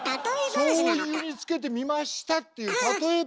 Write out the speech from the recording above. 「しょうゆにつけてみました」っていう例え話。